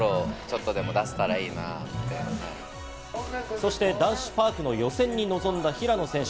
そして男子パークの予選に臨んだ平野選手。